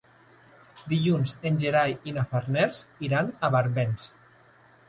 Dilluns en Gerai i na Farners iran a Barbens.